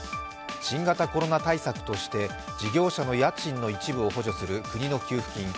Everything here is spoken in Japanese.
新型コロナ対策として事業者の家賃の一部を補助する国の給付金